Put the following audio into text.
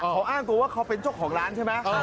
เขาอ้างตัวว่าเขาเป็นเจ้าของร้านใช่มั้ยในข่าวน่ะ